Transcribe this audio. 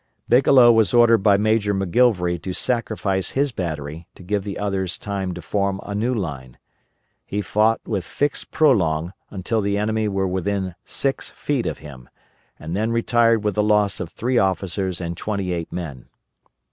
Bigelow was ordered by Major McGilvery to sacrifice his battery to give the others time to form a new line. He fought with fixed prolonge until the enemy were within six feet of him, and then retired with the loss of three officers and twenty eight men.